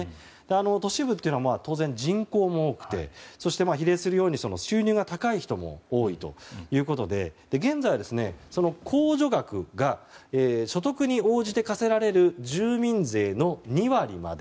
都市部というのは当然、人口も多くてそして、比例するように収入が高い人も多いということで現在は、控除額が所得に応じて課せられる住民税の２割まで。